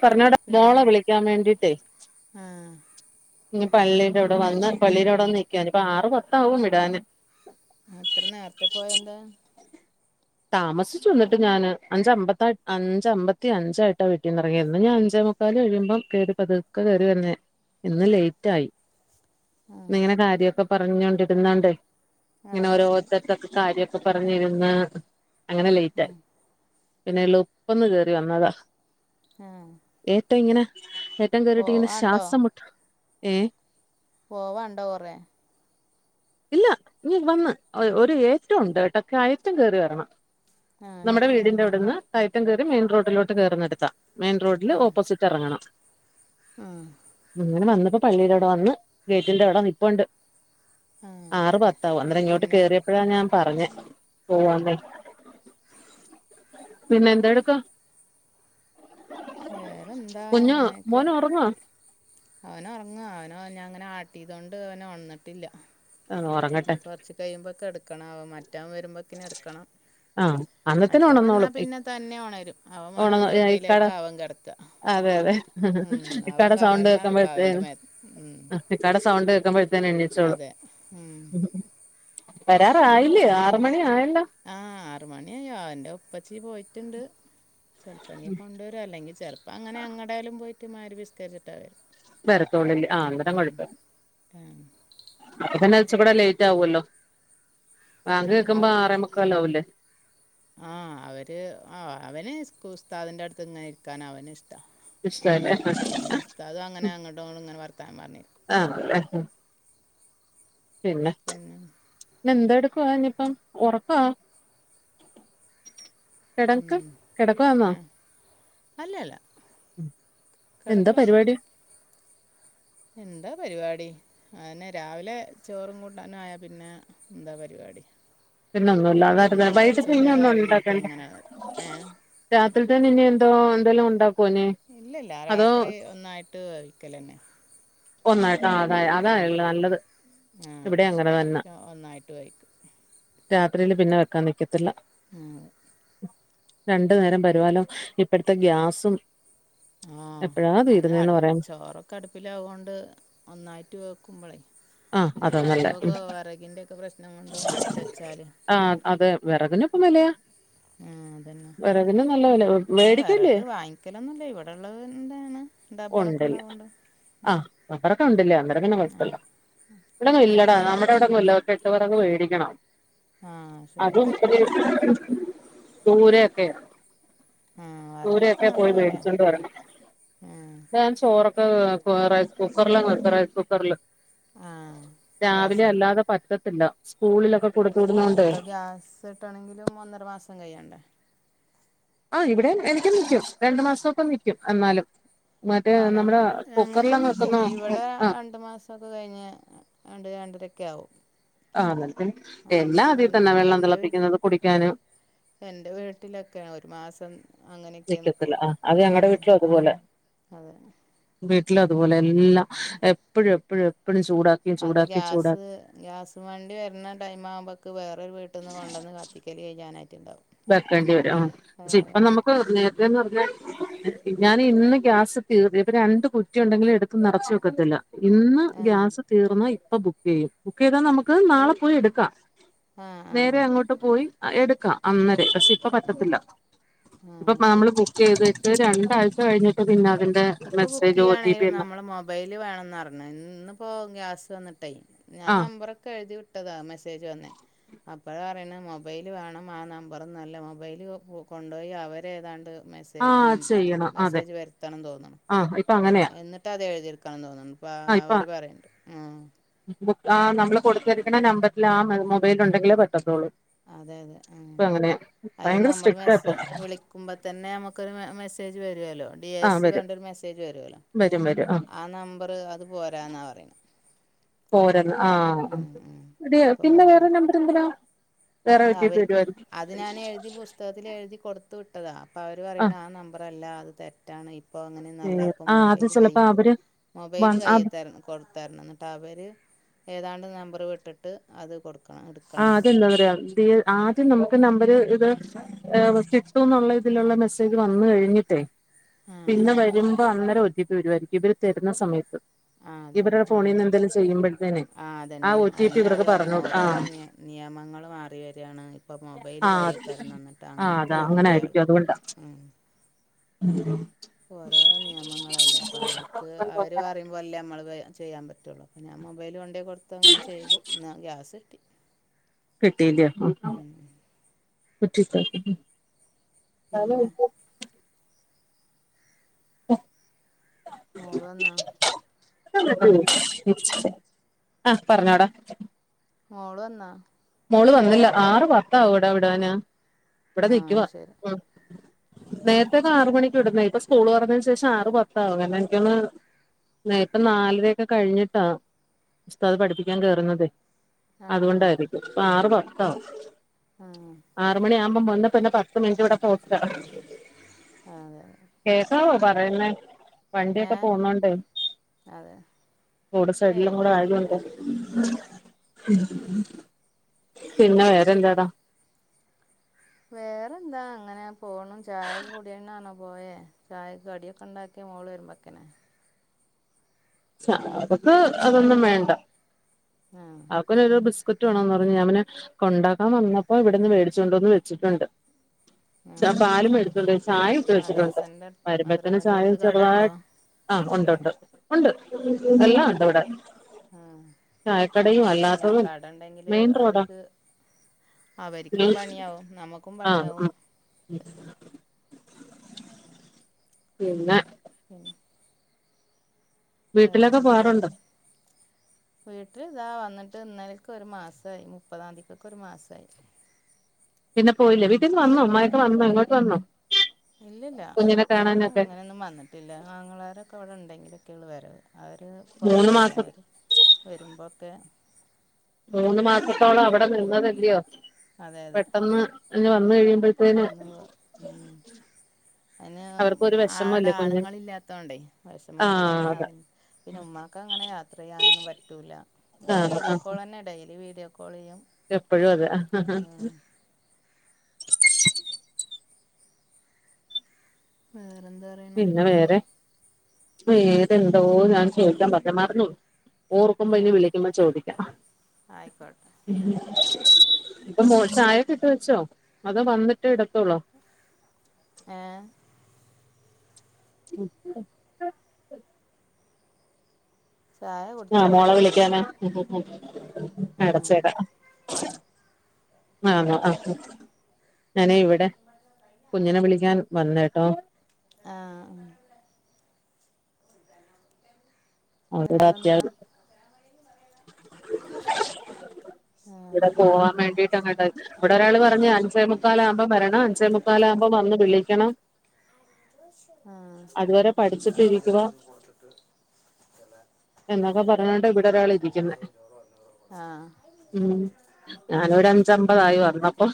പറഞ്ഞോടാ പിന്നെ മോളെ വിളിക്കാൻ വേണ്ടിട്ടേ ആ പിന്നെ പള്ളിടെവിടെ വന്ന് പള്ളിടെ അവിടെ നിക്കാന് ഇപ്പോ ആറ് പത്താവും വിടാന് അത്ര നേരത്തെ പോയതെന്താ താമസിച്ചു അന്നിട്ടും ഞാന് അഞ്ചമ്പത്ത് അഞ്ച് അമ്പത്തി അഞ്ചായിട്ടാ വീട്ടിന്ന് ഇറങ്ങിയത് എന്നും ഞാൻ അഞ്ചേമു മുക്കാല് കഴിയുമ്പം കേറി പതുക്കെ കേറി വരുന്നെ ഇന്ന് ലേറ്റ് ആയി. ആ ഇന്നിങ്ങനെ കാര്യക്കെ പറഞ്ഞൊണ്ടിരുന്നോണ്ടേ ആ ഇങ്ങനെ ശരി ഓരോരുത്തടെത്തക്കെ കാര്യൊക്കെ പറഞ്ഞിരുന്ന് അങ്ങനെ ആ ലേറ്റായി പിന്നെ എളുപ്പന്ന് കേറി വന്നതാ. ആഹ് ഏറ്റം ഇങ്ങനെ ഏറ്റം കേറിട്ട് ഇങ്ങനെ ശ്വാസം മുട്ടണ് ഏഹ് പോവാണ്ടോ കൊറേ ഇല്ല ഇങ്ങ് വന്ന് ഒരു ഏറ്റവും ഉണ്ട് കേട്ടോ കയറ്റം കയറി വരണം ആ നമ്മുടെ ശരി വീടിന്റെ അവിടുന്ന് കയറ്റം കെറി മെയിൻ റോഡിലോട്ട് കേറു ന്നെടുത്താ മെയിൻ റോഡില് ഓപ്പോസിറ്റ് ഇതറങ്ങണം ആഹ് അങ്ങനെ വന്ന് ഇപ്പോ പള്ളിടെ അവിടെ വന്ന് ഗേറ്റിന്റെ അവിടെനിപ്പുണ്ട് ആ ആറ് പത്താവും അന്നേരം ഇങ്ങോട്ട് പിന്നെ കേറിയപ്പോഴാ ഞാൻ പറഞ്ഞേ പോവാന്നെ പിന്നെ എന്ത് എടുക്കുവാ വേറെന്താ കുഞ്ഞ് മോന് ഉറങ്ങുവാ അവന് ഒറങ്ങാ അവനോ ഞാൻ ഇങ്ങനെ ആട്ടീതോണ്ട് അവന് ഒണ്ന്നിട്ടില്ല ഉറങ്ങട്ടെ ഇനി കുറച്ച് കഴിയുമ്പക്കെ എടുക്കണം മറ്റവൻ വരുമ്പക്കിന് എടുക്കണം ആഹ് അന്നത്തിന് മറ്റോൻ വന്നാ ഉണന്നോളും പിന്നെ തന്നെ ഉണരും അവൻ ഉണ വന്ന് ഇക്കാട തൊട്ടിയിലേക്കാ അവൻ കെടത്താ അതെ അതെ ഇക്കാടെ സൗ മരുന്ന് വെക്കാ അവന്റെ മേത്തു ഉ ഇക്കാടെ സൗണ്ട് കേൾക്കുമ്പോഴ ത്തേന്ന് എണ്ണിച്ചോളും ഉം. വരാറായില്ലേ ആറ് മണി ആയല്ലോ ആ ആറ്മണിയായി അവന്റെ ഉപ്പച്ചി പോയിട്ടുണ്ട് ചെലപ്പോങ്കിൽ കൊണ്ടുവര അല്ലെങ്കിൽ ചെലപ്പം അങ്ങനെ അങ്ങടെലും പോയിട്ട് മാരിബിസ്ക്കരിച്ചിട്ടാ വെരാ വരത്തോളില്ലേ ആ അന്നടം കൊ ഴപ്പമില്ല ഉം. അപ്പോത്തന്നെ ഇച്ച് ഇമ്പടെ ലേറ്റ് ആവൂല്ലോ ബാങ്ക് കേക്കുമ്പോ ആറേമുക്കാല് ആവൂല്ലേ ആഹ് അവര് ആഹ് അവന് കു ഉ സ്താദിന്റെ അടുത്ത് ഇങ്ങനെ ഇരിക്കാനാ അവന് ഇഷ്ടം ഇഷ്ടല്ലേ ള ഉസ്താദും അങ്ങനെ അങ്ങോട്ടും ഇങ്ങോട്ടും ഇങ്ങനെ വർത്താനം പറഞ്ഞിനു ആണെല്ലേ പിന്നെ പിന്നെ [unintelligible] എന്ത എടുക്കുവാ ഇനിയിപ്പം ഉറക്കാ കിടക്ക് ഉം. കിടക്കാന്നോ ആ അല്ലല്ല എന്താ കിടക്കണമെന്നല്ല പരിപാടി എന്താ പരിപാടി അന്നെ രാവിലെ ചോറും കൂട്ടാനും ആയാ പിന്നെ എന്താ പരിപാടി പിന്നൊന്നുല്ല പിന്നെ അതട്ട ഈ വൈകിട്ടിപ്പ പിന്നെ കൊച്ചിൻ്റെ ഒന്നും കാര്യം നോക്കി ഇണ്ടാക്കണ്ട അങ്ങനെ ഏ രാത്രി തന്നെ ഇനി എന്തോ എന്തായാലും ഉണ്ടാവും ഇല്ലല്ല രാത്രി ഒന്നായിട്ട് കഴിക്കലന്നെ ഒന്നായിട്ടാ അതായ അതായള്ള അതെ. നല്ലത് ആ ഇവിടെ അങ്ങനെ തന്നെ രാത്രി ഒന്നായിട്ട് കഴിക്കും രാത്രിയിയില് പിന്നെ വെക്കാൻ നിൽക്കത്തില്ല ആഹ് രണ്ടു നേരം വരുവാലോ ഇപ്പഴത്തെ ഗ്യാസും ആഹ എപ്പോഴാ അത തീരുന്നേന്ന് അടുത്ത് പറയാൻ ചോറ കടുപ്പിലാവൊ കൊണ്ട് ഒന്നായിട്ട് വെക്കുമ്പോളേ ആ പിന്നെ ഈ അതാ നല്ലേ വിറകൊക്കെ വിറകിന്റെ ഒക്കെ പ്രശ്നം കൊണ്ട് ഒന്നായിട്ട് വെച്ചാല് ആ അതെ വിറകിനിപ്പം വെലയാ ആ അതന്നെ വില ആ് മേടിക്കല്ലേ വറക്ക വാങ്ങിക്കലൊന്നല്ലേ ഇവിടെള്ളത് എന്താണ് ഡബറൊക്കെ ഇണ്ടാവോണ്ട് ആഹമകളൊകെ ഉണ്ടില്ലേ അന്നേരം പിന്നെ കുഴപ്പമില്ല ഇവിടന്നും ഇല്ലട നമ്മൂടെ ഇവിടന്നും ഇല്ല ഒ കെട്ട് വിറക് മേടിക്കണം ആഹ ശരി ദൂരൊക്കെ ആ വിറകിനൊക്കെ ദൂരൊക്കെ നല്ല പോയി മേടിച്ചൊണ്ട് വിലയാണ് വരണം ആ ൻ ചോറൊ ആഹ് റൗസ് കുക്കർല വെക്ക റൗസ് കുക്കർല് ആ രാവിലെ ഗ്യാസിൽ അല്ലാതെ പറ്റത്തില്ല സ്കൂളിലൊക്കെ കൊടുത്ത് ഇപ്പൊ ഗ്യാസ് ഇട്ടണമെങ്കിലും ഒന്നര മാസം കഴ്യണ്ടേ ആ ഇവിടെ എനിക്ക് നിക്കും രണ്ടു മാസമൊക്കം നിക്കും എന്നാലും മറ്റേ ആ നമ്മുടെ ഞങ്ങൾക്കും കുക്കറിലങ്ങ് നിക്കും വെക്കുന്നോ ഇവിടെ ആ രണ്ടു മാസം തൊക്കെ കഴിഞ്ഞ് രണ്ട് രണ്ടരൊക്കെ ആവും. ആ അ അതിന് എല്ലാദിതന്നെ വെള്ളം തിളപ്പിക്കുന്നത് കുടിക്കാനും എന്റെ വീട്ടിലൊക്കെ ഒരു മാസം അങ്ങനെയൊക്കെ നിക്കത്തില്ല ആ നിൽക്കളൂ അത് ഞങ്ങടെ ഉം വീട്ടിലും അതുപോലെ അതെ വീട്ടിലും അതുപോലെ എല്ലാം എപ്പഴും എപ്പഴും എപ്പോഴും ചൂടാക്ക അത് ഗ്യാസ് ഗ്യാസ് വണ്ടി വരുന്ന ടൈമാവുമ്പോൾക്ക് വേറൊരു വീട്ടിൽ നിന്ന് കൊണ്ടന്ന് കത്തിക്കൽ കഴിയാനായിട്ടുണ്ടാവും വെക്കേണ്ടി വരാം ആ പക്ഷെ ഇപ്പം ആ നമുക്ക് നേരത്തെന്ന് പറഞ്ഞ ഞാൻ ഇന്ന് ഗ്യാസ് തീറി ഇപ്പൊ രണ്ട് കുറ്റി ഉണ്ടെങ്കിലും എടുത്ത് നിറച്ചു വെക്കത്തില്ല ഇന്ന് ഗ്യാസ് തീർന്ന ഇപ്പൊ ബുക്ക് ചെയ്യും ബുക്ക് ചെയ്താ നമുക്ക് നാളെ പോയി എടുക്കാം ആ ആ നേരെ അങ്ങോട്ട് പോയി എടുക്കാം അന്നേര പക്ഷെ ഇപ്പ പറ്റത്തില്ല ആ ഇപ്പൊ നമ്മള് ശരി ബുക്ക് ചെയ്തിട്ട് രണ്ടാഴ്ച കഴിഞ്ഞിട്ട് പിന്നതി ഇപ്പൊ ബുക്ക് ചെയ്യണേലും നമ്മ [unintelligible] വേണന്ന് പറഞ്ഞ് ഇന്ന് ഇപ്പൊ ഗ്യാസ് വന്നിട്ടേയ് ഞാൻ ആ നമ്പറൊക്കെ എഴുതി വി ട്ടതാ മെസ്സേജ് വന്നെ അപ്പോഴ പറയുന്ന മൊബൈല് വേണം ആ നമ്പറന്നല്ല മൊബൈല് കൊണ്ടുപോയി അവരേതാണ്ട് ആ മെസ്സേജ് ഉം മെസ്സേജ് വരുത്തണന്ന് തോന്നണ് ആഹ്പ്പൊ അങ്ങനെ എന്നിട്ട് അത് എഴുതിരിക്കണംന്ന് തോന്നുന്നുണ്ട് അപ്പം അവർ പറയണ്ട് ആ ബക്ക് ആ നമ്മള് കൊടുത്തിരിക്കുന്ന നമ്പറിൽ ആ മൊബൈല ഉണ്ടെങ്കിലേ പറ്റത്തുള്ളൂ അതെ അതെ ആഹ് ഇപ്പൊ അങ്ങനെയാ അത് ഭയങ്കര നമ്മള് സ്ട്രിക്റ്റാ മെസെ ഇപ്പൊ വിളി [unintelligible] അമ്മക്കൊരു മെ മെസ്സേജ് വരുവാല്ലോ. ഡി എ ആ സി വരും പറഞ്ഞിട്ട് ഒരു മെസ്സേജ് വരുവല്ലോ വരും വരും ആ നമ്പറ് അത് പോരാന്നാ പറയണെ. പോരന്ന് ആഹ് ഉം ഉം എടി പിന്നെ വേറെ നമ്പർ എന്തിനാ. വേറെ ഒ [unintelligible] ടി പി അവര്ക്ക് വരുവായിരിക്കും അതി ഞാന് എഴുതി പുസ് [unintelligible] എഴുതി കൊടുത്ത് വിട്ടതാ. അപ്പൊ അവര് പറയണ് ആ നമ്പറല്ല അത് തെറ്റാണ് എ ഇപ്പോ അങ്ങനെന്നും അല്ല. ഇപ്പൊ ആ അത് മൊബൈല് ചിലപ്പോ കയ്യേ അവര് വൺ മൊബൈല് കയ്യേ അത് ത്തരണം. കൊടുത്തായിരുന്നു. എന്നിട്ട് അവര് ഏതാണ്ട് നമ്പറ് വിട്ടിട്ട് അത് കൊട് ആഹ് അതെന്താന്നറിയൊ ദി ആദ്യം നമുക്ക് നമ്പര് ഇത്. ഏഹ് ഫസ്റ്റ് ഇട്ടൂ എന്നുള്ള ഇതിലുള്ള മെസ്സേജ് വന്ന് കഴിഞ്ഞിട്ടേ. ആ പിന്നെ വരുമ്പ അന്നേരം ഒ ടി പി വരുവായിരിക്കും ഇവര് തരുന്ന സമയത്ത്. ആ ആ അതെ അതെ ഇവര്ടെ ആ ഫോണിന്ന് എന്തെലും ചെയ്യുമ്പഴ്ത്തേനെ ആ ഒ ടി പി ഇവർക്ക് പറഞ്ഞൊട് ആഹ്. നിയമങ്ങള് മാറി വരാണ് ഇപ്പോ മൊബൈല് ആ കൈയി തരണം എന്നിട്ട് ആ അങ്ങനെയൊക്കെ അതാ പറഞ്ഞു അങ്ങനെ അയാള് ആയിരിക്കും അതുകൊണ്ടാ ആഹ് ഓരോരോ നിയമങ്ങളാല്ലേ അപ്പൊ അവർക്ക് അവര് പറയും [unintelligible] അമ്മള് ക ചെയാൻ പറ്റൊള്ളൂ. അപ്പ ഞാൻ മൊബൈല് വ [unintelligible] കൊടുത്തു അങ്ങനെ ചെയ്തു ഇന്നാ ഗ്യാസ് കിട്ടി. കിട്ടില്യാ ഉം പിന്നെ [unintelligible] മോള് വന്നാ? ആഹ് പറഞ്ഞോടാ. മോള് വന്നാ? മോള് വന്നില്ല. ആറ് പത്ത് ആവൂടാ വിടാന് ഇവിടെ ആ നിക്കുവാ ശരി ഉം നേരത്തെക്കെ ആറമണിക്ക് വിടുന്നേ ഇപ്പൊ സ്കൂൾ തൊറന്നെന് ശേഷം ഇപ്പൊ ആറെ പത്താവും കാരണം എനിക്കൊന്നണെ. മേ ഇപ്പം നാലരയൊക്കെ കഴിഞ്ഞിട്ടാ ഉസ്താദ് പഠിപ്പിക്കാൻ കേറുന്നതേ ആ അതുകൊണ്ടായിരിക്കും പ്പൊ ആറ് പത്താവും ആ ആറ് മണിയാവുമ്പോ വന്ന് പിന്നെ പ ത്ത് മിനിറ്റിവിടെ പോസ്റ്റാ ആഹ് അതെ തെ കേസാവോ പറയുന്നേ ഏ വണ്ടിയൊക്കെ പോന്നോണ്ട് അതെ റോഡ്സൈഡിലും ഏയ് കൂടെ ആയതൊണ്ട്. [inaudible] പിന്നെ വേറെന്താടാ? വേറെന്താ അങ്ങനെ പോണ് ചായ കുടിയന്നാണോ പോയേ ചായക്ക് കടിയൊക്കെ ഇണ്ടാക്ക്യോ മോൾ വരുമ്പോത്തിന്. അവക്ക് അതൊന്നും വേണ്ട. ആഹ്. അവക്കൊന്നൊരു ബിസ്ക്കറ്റ് വേണംന്ന് പറഞ്ഞ് ഞാൻപിന്നെ കൊണ്ടാക്കാൻ വന്നപ്പോ ഇവിടന്ന് മേടിച്ചൊണ്ട് വന്ന് വെച്ചിട്ടുണ്ട്. ആ ചാ പാലും എടുത്തിണ്ട് ചായെം ഇട്ട് വെച്ചിട്ടുണ്ട് മദ്രസൻ്റെ വരുമ്പോത്തന്നെ മദ്രസൻ്റെ ചായ അടുത്ത് കട ചെറുതാ. ഉണ്ടോ ആഹ് ഒണ്ടൊണ്ട് ഒണ്ട് എല്ലാം ഒണ്ടിവിടെ മ്ഹ് അല്ല അല്ലാത്തതും കട ഇണ്ടെങ്കില് മെയിൻ റോഡാ അവര്ക്ക്. അവര്ക്കും പണിയാവും നമ്മക്കും ആ പണിയാവും. ഉം [unintelligible] പിന്നെ ഉം വീട്ടിലൊക്കെ പോവാറുണ്ട് വേറെന്ത്‌പറയ്ണ്. വീട്ടിൽ ഇതാ വന്നിട്ട് ഇന്നലക്കൊരു മാസായി മുപ്പതാതിക്ക്കൊരു മാസായി. പിന്നെ പോയില്ലേ വീട്ടിന്ന് വന്നോ പിന്നെ ഉമ്മായൊക്കെ വന്നോ ഇങ്ങോട്ട് വന്നോ കുഞ്ഞിനെ കാണാനൊക്കെ ട്ടില്ല ആങ്ങളാരൊക്കെ അവിടെ ഇണ്ടെങ്കിലൊക്കൊളു വരവ് അവര് മൂന്ന് പൊറത്തല്ലേ മാസം അവര് വരുമ്പോക്കെ. മൂന്ന് മാസത്തോളം അവിടെ നിന്നതല്യോ. അതെ അതെ പെട്ടെന്ന് ഇങ്ങ് വന്ന് കഴിയുമ്പോഴ്ത്തേന് പെട്ടെന്ന് പോ ഉം അന്നെ അവർക്കും ഒരു ആട വെഷമല്ലേ കുഞ്ഞ് ആണുങ്ങള് ഇല്ലാത്തോണ്ടേ ആ വിഷമങ്ങള് ന്നെ അതെ ആകു പിന്നെ ഉമ്മാക്ക് അങ്ങനെ യാത്ര യ്യാനൊന്നും പറ്റൂല്ല ആ ഈ ആ വീഡിയോ കോളന്നെ ഡെയ്ലി വീഡിയോ കോള് യം. എപ്പഴും അതെ വേറെ എന്താ? പിന്നെ വേറെ വേറെ എന്തോ ഞാൻ ചോദിക്കൻ പറഞ്ഞു മാറന്നുപോയി. ഓർക്കുമ്പോ ആ ഇനി വിളിക്കുമ്പോ ചോദിക്കാം. ആയിക്കോട്ടെ ഉം ഇപ്പ മോള് ചായക്കിട്ട് വെച്ചോ അതോ വന്നിട്ട് ഇടത്തൊള്ളോ? ആഹ് [unintelligible] ചായ ആഹ് കുടിച്ചാ മോള പോയെ വിളിക്കാന് ഇപ്പൊ [unintelligible] ആ അടച്ചേടാ ആണോ ആ ഞാനെ ഇവിടെ കുഞ്ഞിനെ വിളിക്കാൻ വന്നേട്ടോ ആഹ് [unintelligible] ആ ഇവടെ പോവാൻ വേണ്ടിട്ട് അങ്ങട്ട് ഇവടെ ഒരാള് പറഞ്ഞ് അഞ്ചേമു മുക്കാലാവുമ്പം വരണം അഞ്ചേ മുക്കാലക്കുപ്പോൾ വന്ന് വിളിക്കണം. അതുവരെ പഠിച്ചിട്ട് ഇരിക്കുക ആഹ് എന്നൊക്കെ പറഞ്ഞോണ്ട് ഇവിടെ അ ഒരാൾ ഇരിക്കുന്നെ ആഹ് ഞാന് ഒരു അഞ്ചമ്പതായി വന്നപ്പം.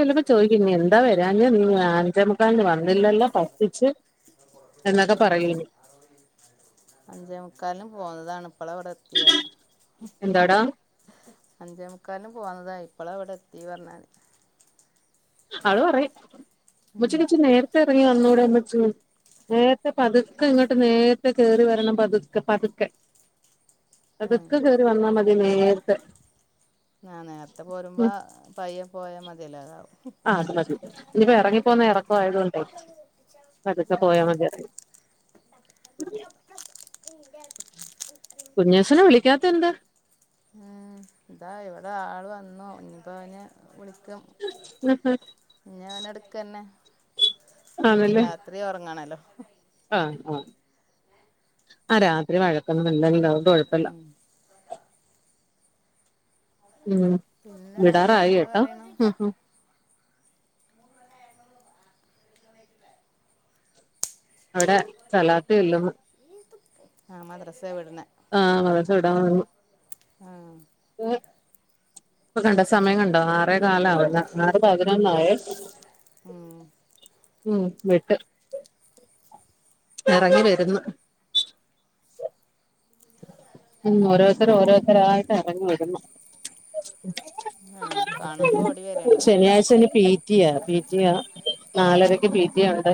ചെല്ലുമ്പോ ചോദിക്കും ഇനി എന്താ വരാഞ്ഞ് നീ അഞ്ചേ മുക്കലിന് വന്നില്ലല്ലാ പറ്റിച്ച് എന്നൊക്കെ പറയും ഇനി. അഞ്ചേമുക്കാലിന് പോന്നതാണ് ഇപ്പളാ ഇവിടെ എ പിയറ് എന്താടാ അഞ്ചേമുക്കാലിന് പോന്നതാ ഇപ്പളാ ഇവിടെ എത്തി എന്ന് പറഞ്ഞാതി. അവള് പറയും ഉമ്മച്ചി, ഉം ഉമ്മച്ചി നേരത്തെ ഇറങ്ങി വന്നൂടെ ഉമ്മച്ചി. നേര്ത്തെ പതുക്കെ ഇങ്ങട്ട് നേര്ത്തെ കേറി വരണം പതുക്കെ പതുക്കെ ഉം പതുക്കെ കേറി വന്നാ മതി നേരത്തെ ആഹ് നേരത്തെ പോരുമ്പോ ഉം പയ്യപോയാ മതിയല്ലോ അതാവും ആ അത് മതി ഇനിയിപ്പോ ഇറങ്ങിപ്പോകുന്ന ഇറക്ക ആയതുകൊണ്ട്. ആഹ് [unintelligible] [unintelligible] വിളിക്കാത്ത എന്ത്. ഏ ഇതാ ഇവിടെ ആള് വന്ന് ഇനിപ്പ എങ്ങന വിളി [unintelligible] ഞാനട്ക്കന്നെ ആണല്ലേ [unintelligible] ത്രീ ഒറങ്ങാണല്ലോ. ആഹ് ആഹ് ആ രാത്രി വഴക്കൊന്നും മില്ലല്ലോ? ഉം ഉം പിന്നെ വിടാറായി വേറെന്ത് കേട്ട പറയണു ഹും ഹും അവിടെ സ്ഥലാത്ത് ചെലുനു. ആ മദ്രസ വിട്ണെ ആഹ് മദ്രസ വിടാ തൊട്ങ്ങി ആഹ് ഇപ്പ കണ്ടോ സമയം കണ്ടോ ആറേ കാല് ആവുന്നു ആറ് പതിനൊന്നായേ. ഉം ഉം വിട്ട് എറങ്ങി വരിന്ന് ഉം ഓരോരുത്തര് ഓരോരുത്തരായിട്ട് എറങ്ങി വരുന്നു ആ കാണുമ്പോ ഓടി വരണ്ടാവും ശനിയാഴ്ച ഇനി പീറ്റിയ പീറ്റിയ നാലരക്ക്‌ പി ടി എ ഉണ്ട്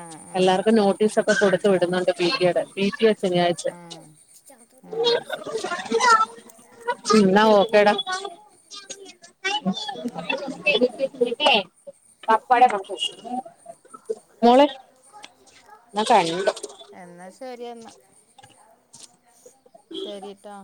ആഹ് ആഹ് നോട്ടീസൊക്കെ കൊടുത്ത് വിടുന്നൊണ്ട് അഹ്‌ അഹ്‌ ഉം എന്നാ പിന്നെ പപ്പട മോളെ ഞാൻ അഹ്‌ കണ്ടു പോയി എന്നാ ശരി എന്നാ ശരിട്ടോ